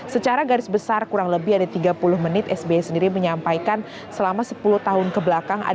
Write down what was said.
secara garis besar kurang lebih ada tiga puluh menit sbi sendiri menyampaikan selama sepuluh tahun kebelakang